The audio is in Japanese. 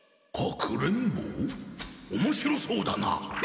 おもしろそうだな！